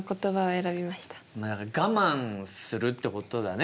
我慢をするってことだね。